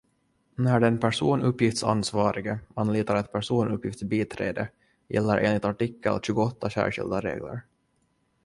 När den personuppgiftsansvarige anlitar ett personuppgiftsbiträde gäller enligt artikel tjugoåtta särskilda regler.